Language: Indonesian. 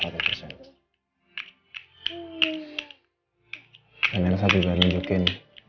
dan elsa juga menunjukin